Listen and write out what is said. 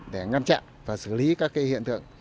để ngăn chặn và xử lý các hiện tượng